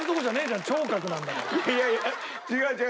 いやいや違う違う。